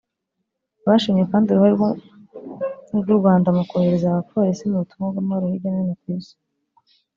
Bashimye kandi uruhare rw’u Rwanda mu kohereza abapolisi mu butumwa bw’amahoro hirya no hino ku Isi